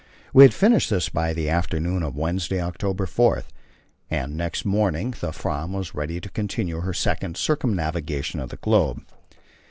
We had finished this by the afternoon of Wednesday, October 4, and next morning the Pram was ready to continue her second circumnavigation of the globe.